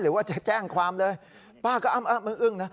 หรือว่าจะแจ้งความเลยป้าก็เอ้าเอ้าเอ้ามึงมึงนะ